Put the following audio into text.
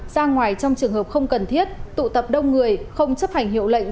ra ngoài trong trường hợp không cần thiết tụ tập đông người không chấp hành hiệu lệnh